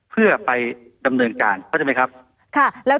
เพื่อไปดำเนินการเพราะใช่ไหมครับนะครับ